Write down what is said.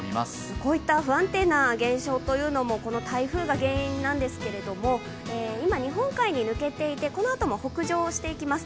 こういった不安定な現象というのもこの台風が原因なんですけれども今、日本海に抜けていてこのあとも北上していきます。